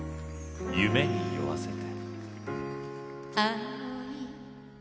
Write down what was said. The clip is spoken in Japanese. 「夢に酔わせて」。